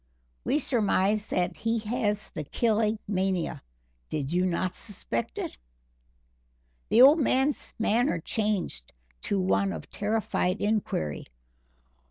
We surmise that he has the killing mania. Did you not suspect it?" The old man's manner changed to one of terrified inquiry.